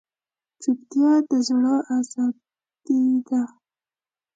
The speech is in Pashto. چوپتیا، د زړه ازادي ده.